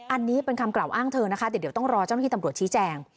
อันนี้เป็นคำกล่าวอ้างเธอนะคะเดี๋ยวต้องรอเจ้าหน้าที่ตำรวจชี้แจง